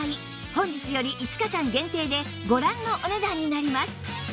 本日より５日間限定でご覧のお値段になります